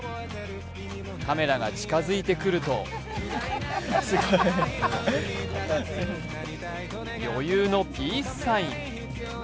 カメラが近づいてくると余裕のピースサイン。